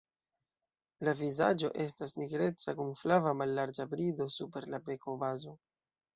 La vizaĝo estas nigreca kun flava mallarĝa brido super la bekobazo.